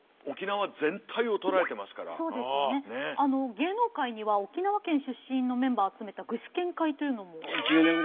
芸能界には沖縄県出身のメンバー集めた具志堅会というのも。